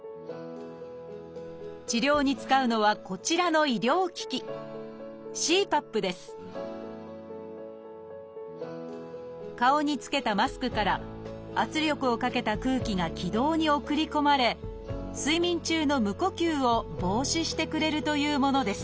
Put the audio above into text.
治療に使うのはこちらの医療機器顔に着けたマスクから圧力をかけた空気が気道に送り込まれ睡眠中の無呼吸を防止してくれるというものです。